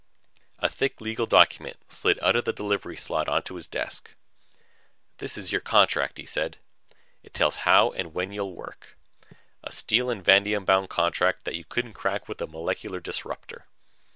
A thick legal document slid out of the delivery slot onto his desk. "This is your contract," he said. "It tells how and when you will work. A steel and vanadium bound contract that you couldn't crack with a molecular disruptor."